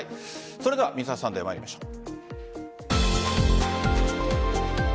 それでは「Ｍｒ．サンデー」参りましょう。